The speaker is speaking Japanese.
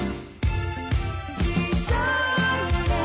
「一緒にね」